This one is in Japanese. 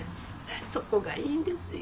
そこがいいんですよ。